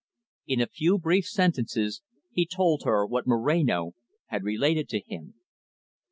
In a few brief sentences, he told her what Moreno had related to him.